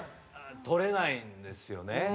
取れないんですよね。